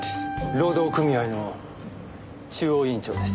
労働組合の中央委員長です。